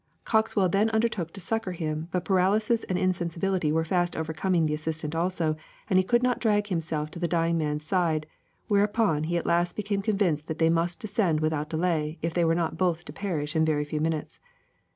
Coxwell then undertook to succor him, but paralysis and insensibility were fast overcoming the assistant also and he could not drag himself to the dying man's side, whereupon he at last became convinced that they must descend without delay if they were not both to perish in a very few minutes.